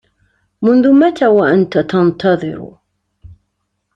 منذ متى وأنت تنتظر ؟